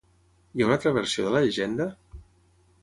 Hi ha una altra versió de la llegenda?